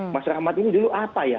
mas rahmat ini dulu apa ya